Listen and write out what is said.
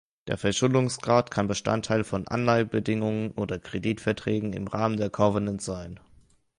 Der Verschuldungsgrad kann Bestandteil von Anleihebedingungen oder Kreditverträgen im Rahmen der Covenants sein.